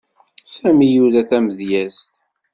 Sami yura tamedyezt.